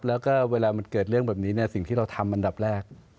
แล้วก็เวลามันเกิดเรื่องแบบนี้สิ่งที่เราทำอันดับแรก